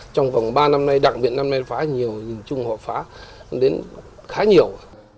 trong vòng ba năm nay đặc biệt năm nay nó phá nhiều nhìn chung họ phá đến khá nhiều